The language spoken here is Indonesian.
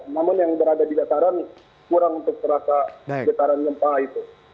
namun yang berada di dataran kurang untuk terasa getaran gempa itu